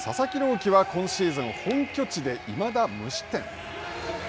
希は今シーズン、本拠地でいまだ無失点。